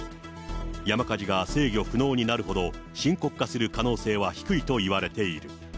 山火事が制御不能になるほど深刻化する可能性は低いと言われている。